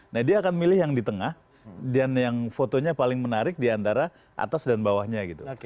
nah dia akan milih yang di tengah dan yang fotonya paling menarik diantara atas dan bawahnya gitu